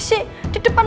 aku benar benar tidak mau